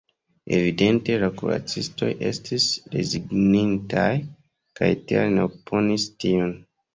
Evidente la kuracistoj estis rezignintaj kaj tial ne oponis tion.